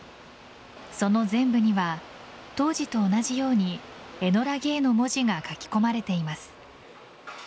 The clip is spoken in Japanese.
その全部には当時と同じように「ＥＮＯＬＡＧＡＹ」の文字が書き込まれています。